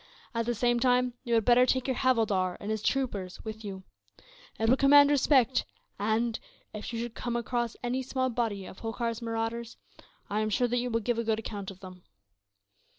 At the same time, you had better take your havildar and his troopers with you. It will command respect and, if you should come across any small body of Holkar's marauders, I am sure that you will give a good account of them."